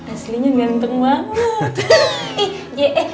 aslinya ganteng banget